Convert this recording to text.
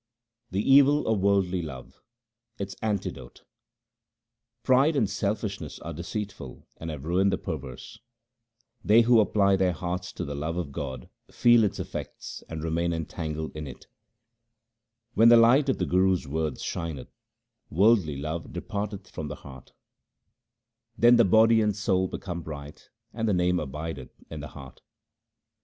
The evil of worldly love ; its antidote :— Pride and selfishness are deceitful and have ruined the perverse. They who apply their hearts to the love of the world feel its effects and remain entangled in it. When the light of the Guru's words shineth, worldly love depart eth from the heart. 1 Unsolicited alms which they may accept. HYMNS OF GURU AMAR DAS 207 Then the body and soul become bright, and the Name abideth in the heart.